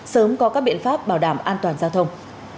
sớm có các biện pháp bảo đảm an toàn giao thông